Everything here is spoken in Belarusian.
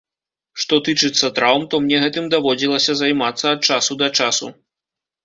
Што тычыцца траўм, то мне гэтым даводзілася займацца ад часу да часу.